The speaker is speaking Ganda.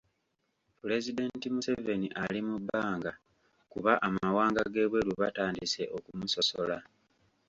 Pulezidenti Museveni ali mu bbanga kuba amawanga g'ebweru batandise okumusosola.